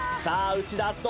内田篤人